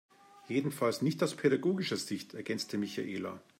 Jedenfalls nicht aus pädagogischer Sicht, ergänzte Michaela.